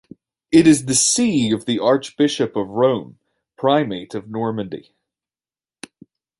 It is the see of the Archbishop of Rouen, Primate of Normandy.